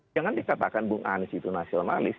jangan dikatakan bung anies itu nasionalis